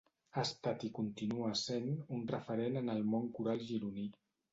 Ha estat i continua essent un referent en el món coral gironí.